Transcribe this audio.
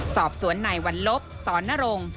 สอบสวนไหนวังลบสนรง